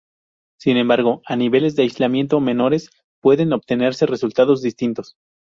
Sin embargo, a niveles de aislamiento menores, pueden obtenerse resultados distintos.